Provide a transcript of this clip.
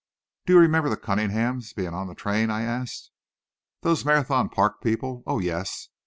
"Do you remember the Cunninghams being on the train?" I asked. "Those Marathon Park people? Oh, yes.